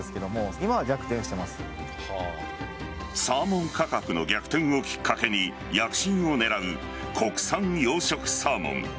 サーモン価格の逆転をきっかけに躍進を狙う国産養殖サーモン。